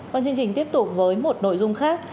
còn chương trình tiếp tục với một nội dung khác